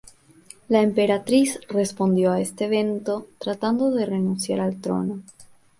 La Emperatriz respondió a este evento tratando de renunciar al trono.